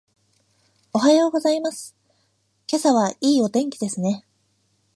おはようございます。今朝はいいお天気ですね。